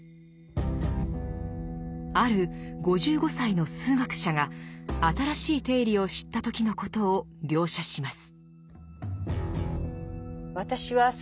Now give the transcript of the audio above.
ある５５歳の数学者が新しい定理を知った時のことを描写します。